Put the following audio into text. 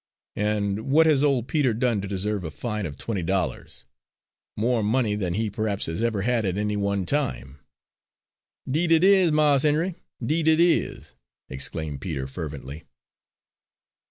"And what has old Peter done to deserve a fine of twenty dollars more money than he perhaps has ever had at any one time?" "'Deed, it is, Mars Henry, 'deed it is!" exclaimed Peter, fervently.